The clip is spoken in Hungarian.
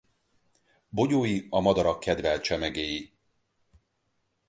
Bogyói a madarak kedvelt csemegéi.